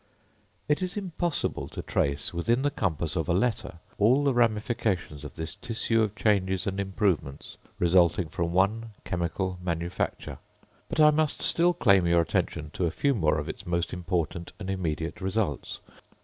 It is impossible to trace, within the compass of a letter, all the ramifications of this tissue of changes and improvements resulting from one chemical manufacture; but I must still claim your attention to a few more of its most important and immediate results.